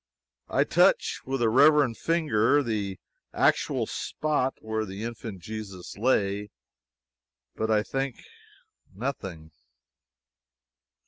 I touch, with reverent finger, the actual spot where the infant Jesus lay, but I think nothing.